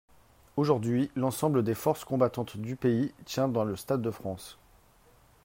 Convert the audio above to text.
Aujourd’hui, l’ensemble des forces combattantes du pays tient dans le stade de France.